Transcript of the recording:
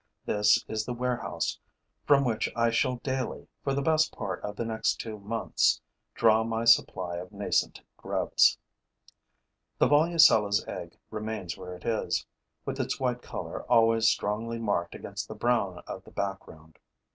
This is the warehouse from which I shall daily, for the best part of the next two months, draw my supply of nascent grubs. The Volucella's egg remains where it is, with its white color always strongly marked against the brown of the background.